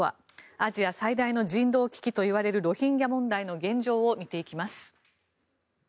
アジア最大の人道危機といわれるロヒンギャ問題の現状を見ていきます。